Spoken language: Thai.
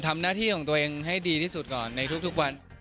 ทำหน้าที่ของตัวเองให้ดีที่สุดก่อนในทุกวัน